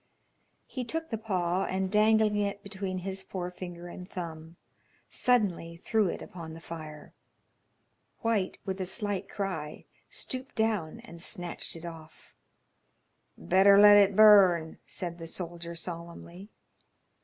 He took the paw, and dangling it between his forefinger and thumb, suddenly threw it upon the fire. White, with a slight cry, stooped down and snatched it off. "Better let it burn," said the soldier, solemnly.